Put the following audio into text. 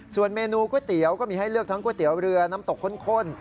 ส่วนเมนูก๋วยเตี๋ยวก็มีให้เลือกทั้งก๋วยเตี๋ยวเรือน้ำตกข้น